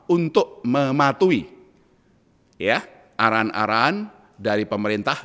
untuk mematuhi arahan arahan dari pemerintah